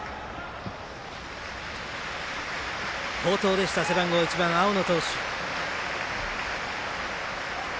好投でした背番号１番、青野投手。